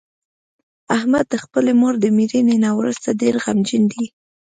احمد د خپلې مور د مړینې نه ورسته ډېر غمجن دی.